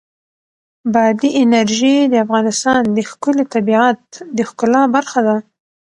بادي انرژي د افغانستان د ښکلي طبیعت د ښکلا برخه ده.